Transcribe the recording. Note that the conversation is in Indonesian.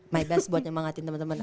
my best buat nyemangatin temen temen